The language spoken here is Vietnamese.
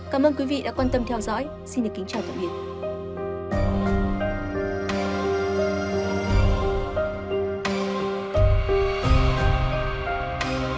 cảm ơn quý vị đã quan tâm theo dõi xin được kính chào và hẹn gặp lại